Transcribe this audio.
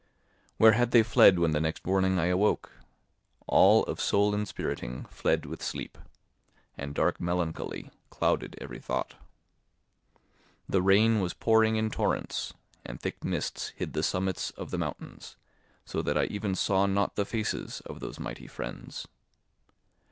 Where had they fled when the next morning I awoke? All of soul inspiriting fled with sleep, and dark melancholy clouded every thought. The rain was pouring in torrents, and thick mists hid the summits of the mountains, so that I even saw not the faces of those mighty friends.